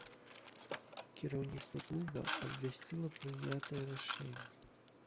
Кіраўніцтва клуба абвясціла прынятае рашэнне.